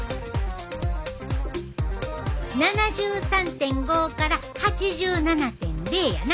７３．５から８７．０やな。